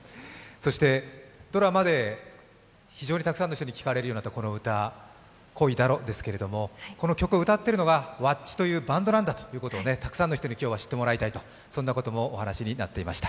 ドラマで非常にたくさんの人に聴かれるようになったこの歌、「恋だろ」ですけれども、この曲を歌っているのがｗａｃｃｉというバンドなんだということをたくさんの人に今日は知ってもらいたいと、そんなこともお話しになっていました。